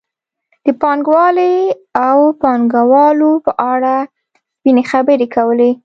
د پانګوالۍ او پانګوالو په اړه سپینې خبرې کولې.